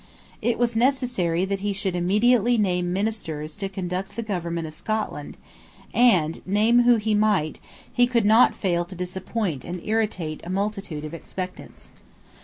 It was necessary that he should immediately name ministers to conduct the government of Scotland: and, name whom he might, he could not fail to disappoint and irritate a multitude of expectants.